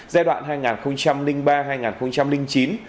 giai đoạn hai nghìn ba hai nghìn chín